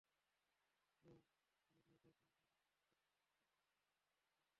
আমা নারীদের মেয়েসন্তানেরা এখন পড়ালেখা করে গ্রাম ছাড়ছে বলে জানা গেল।